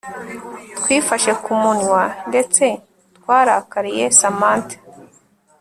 twifashe ku munwa ndetse twarakariye Samantha